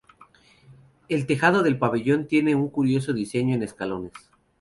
El tejado del pabellón tiene un curioso diseño en escalones.